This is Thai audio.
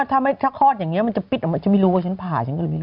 ถ้าคอดยังงี้จะจะปิดตรงนี้